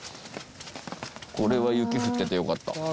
これは雪降っててよかった。